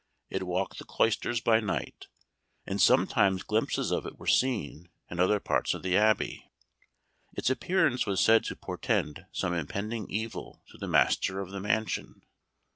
It walked the cloisters by night, and sometimes glimpses of it were seen in other parts of the Abbey. Its appearance was said to portend some impending evil to the master of the mansion.